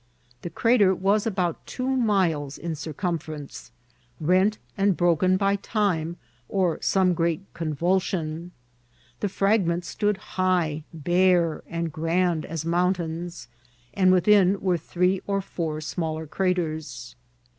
The crater was about two miles in circumference, rent and broken by time or some great convulsion; the frag ments stood high, bare, and grand as mountains, and within were three or four smaller craters.